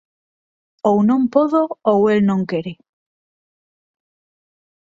Ou non podo ou el non quere.